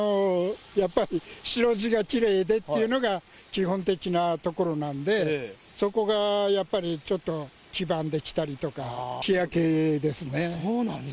やっぱり白地がきれいでっていうのが基本的なところなんで、そこがやっぱりちょっと黄ばんできたりとか、日焼けですね。